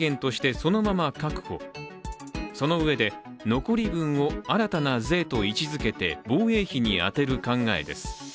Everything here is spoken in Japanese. そのうえで残り分を新たな税と位置づけて防衛費に充てる考えです。